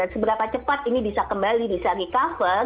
seberapa cepat ini bisa kembali bisa recover